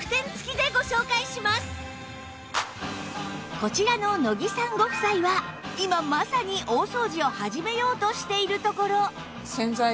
こちらの乃木さんご夫妻は今まさに大掃除を始めようとしているところ